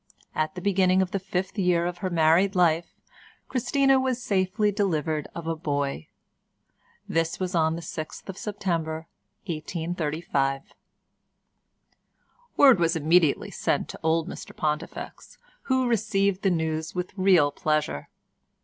At the beginning of the fifth year of her married life Christina was safely delivered of a boy. This was on the sixth of September 1835. Word was immediately sent to old Mr Pontifex, who received the news with real pleasure.